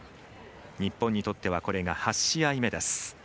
日本にとってはこれが８試合目です。